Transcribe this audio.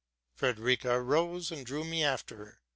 Frederica arose, and drew me after her.